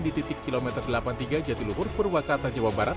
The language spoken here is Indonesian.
di titik kilometer delapan puluh tiga jatiluhur purwakarta jawa barat